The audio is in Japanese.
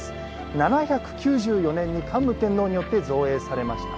７９４年に桓武天皇によって造園されました。